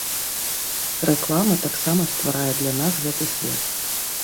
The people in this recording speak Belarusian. Рэклама таксама стварае для нас гэты свет.